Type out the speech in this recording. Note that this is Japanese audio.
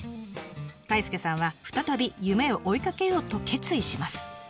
太亮さんは再び夢を追いかけようと決意します。